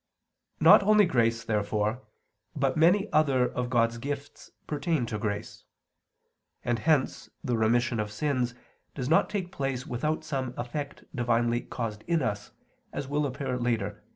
Not only grace, therefore, but many other of God's gifts pertain to grace. And hence the remission of sins does not take place without some effect divinely caused in us, as will appear later (Q.